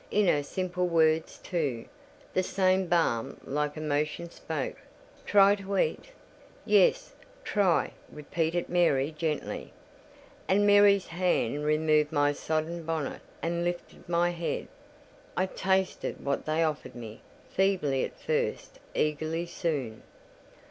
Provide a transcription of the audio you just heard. In her simple words, too, the same balm like emotion spoke: "Try to eat." "Yes—try," repeated Mary gently; and Mary's hand removed my sodden bonnet and lifted my head. I tasted what they offered me: feebly at first, eagerly soon.